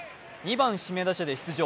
２番・指名打者で出場。